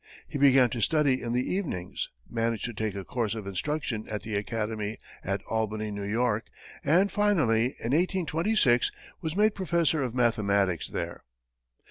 He began to study in the evenings, managed to take a course of instruction at the academy at Albany, New York, and finally, in 1826, was made professor of mathematics there.